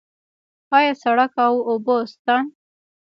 آیا سړک او اوبه شته؟